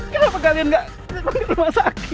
kenapa kalian nggak seperti rumah sakit